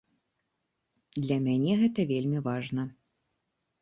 Для мяне гэта вельмі важна.